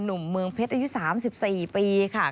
เมืองเพชรอายุ๓๔ปีค่ะ